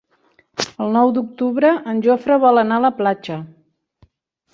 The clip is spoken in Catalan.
El nou d'octubre en Jofre vol anar a la platja.